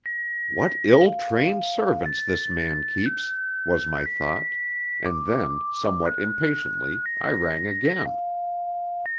"What ill trained servants this man keeps," was my thought; and then, somewhat impatiently, I rang again.